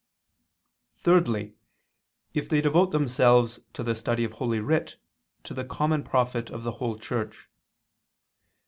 Thirdly, if they devote themselves to the study of Holy Writ to the common profit of the whole Church.